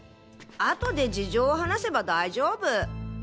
後で事情を話せば大丈夫！